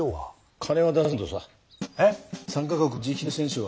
えっ？